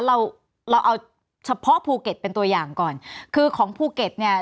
เราเราเอาเฉพาะภูเก็ตเป็นตัวอย่างก่อนคือของภูเก็ตเนี่ย